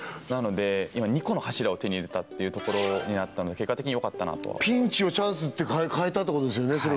なので今２個の柱を手に入れたっていうところになったので結果的によかったなとはピンチをチャンスに変えたってことですね